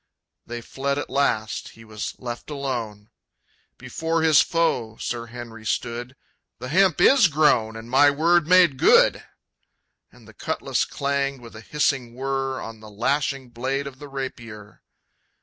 They fled at last. He was left alone. Before his foe Sir Henry stood. "The hemp is grown, and my word made good!" And the cutlass clanged with a hissing whir On the lashing blade of the rapier.